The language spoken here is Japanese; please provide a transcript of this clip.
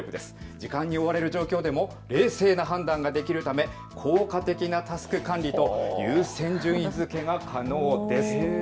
時間に追われる状況でも冷静な判断ができるため効果的なタスク管理と優先順位づけが可能ですと。